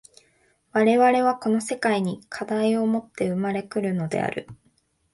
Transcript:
我々はこの世界に課題をもって生まれ来るのである。